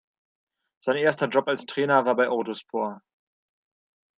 Sein erster Job als Trainer war bei Orduspor.